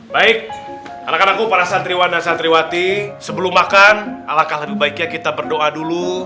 baik anak anakku para satriwan dan satriwati sebelum makan ala kalah baiknya kita berdoa dulu